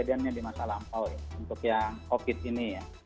kejadiannya di masa lampau untuk yang covid ini ya